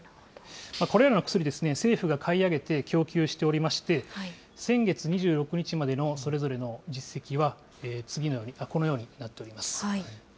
これらの薬、政府が買い上げて供給しておりまして、先月２６日までのそれぞれの実績は、このようになっております。